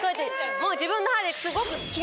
もう自分の歯で。